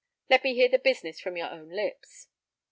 Let me hear the business from your own lips."